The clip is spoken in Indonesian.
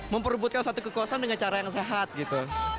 memperbutkan satu kekuasaan dengan cara yang sehat gitu